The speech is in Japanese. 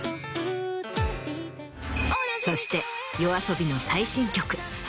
そしてＹＯＡＳＯＢＩの。